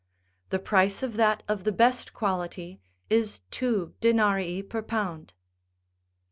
The price of that of the best quality is two denarii per pound.